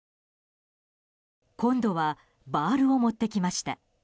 今度はバールを持ってきました。